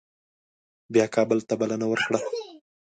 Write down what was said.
بیا کابل ته بلنه ورکړه.